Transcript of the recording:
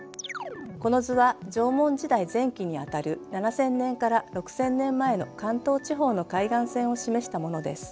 この図は縄文時代前期に当たる７，０００年から６，０００年前の関東地方の海岸線を示したものです。